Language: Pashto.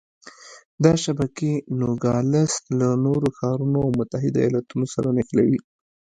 دا شبکې نوګالس له نورو ښارونو او متحده ایالتونو سره نښلوي.